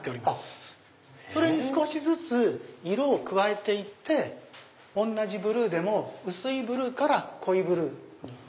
それに少しずつ色を加えて行って同じブルーでも薄いブルーから濃いブルーに。